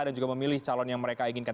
dan juga memilih calon yang mereka inginkan